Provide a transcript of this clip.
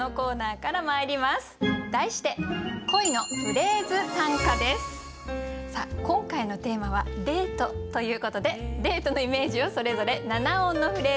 題して今回のテーマは「デート」ということでデートのイメージをそれぞれ７音のフレーズで表します。